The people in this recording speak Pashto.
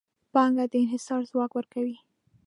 پانګه د انحصار ځواک ورکوي.